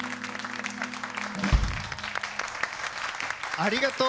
ありがとう！